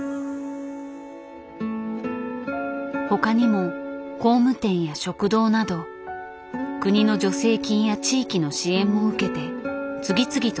他にも工務店や食堂など国の助成金や地域の支援も受けて次々と設立してきた。